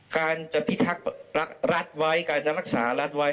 การจะพิทักษ์รัฐไว้การจะรักษารัฐไว้